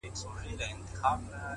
پوه انسان له هر چا څه زده کوي،